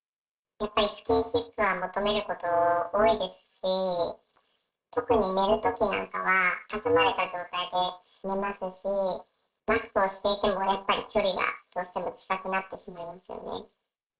やっぱりスキンシップを求めることは多いですし、特に寝るときなんかは挟まれた状態で寝ますし、マスクをしていても、やっぱり距離がどうしても近くなってしまいますよね。